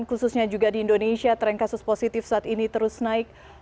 khususnya juga di indonesia tren kasus positif saat ini terus naik